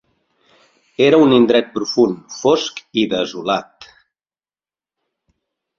Era un indret profund, fosc i desolat.